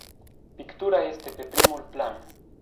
Pictura este pe primul plan.